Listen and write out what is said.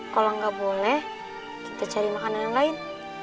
kalau nggak boleh kita cari makanan yang lain